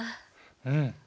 うん。